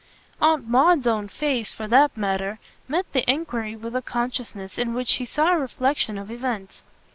Aunt Maud's own face for that matter met the enquiry with a consciousness in which he saw a reflexion of events.